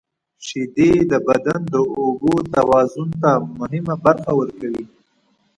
• شیدې د بدن د اوبو توازن ته مهمه برخه ورکوي.